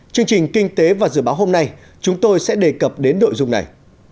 chương trình kinh tế và dự báo hôm nay chúng tôi sẽ đề cập đến nội dung này